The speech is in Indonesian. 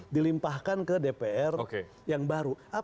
dilimpahkan ke dpr yang baru